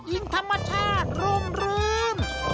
อินธรรมชาติรุมรืม